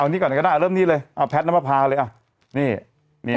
เอานี่ก่อนก็ได้เริ่มนี่เลยเอาแพทย์นะมาพาเลยอ่ะนี่นี่